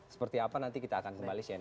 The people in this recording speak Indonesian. seperti apa nanti kita akan kembali cnn